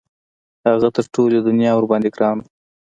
هغه تر ټولې دنیا ورباندې ګران وو.